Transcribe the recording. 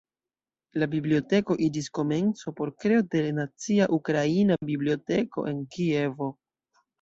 La biblioteko iĝis komenco por kreo de Nacia Ukraina Biblioteko en Kievo.